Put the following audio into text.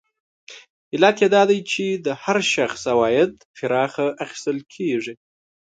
علت یې دا دی چې د هر شخص عواید پراخه اخیستل کېږي